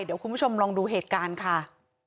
เดี๋ยวคุณผู้ชมลองดูเหตุการณ์ค่ะ